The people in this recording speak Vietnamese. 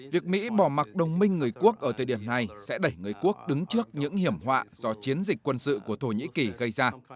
việc mỹ bỏ mặt đồng minh người quốc ở thời điểm này sẽ đẩy người quốc đứng trước những hiểm họa do chiến dịch quân sự của thổ nhĩ kỳ gây ra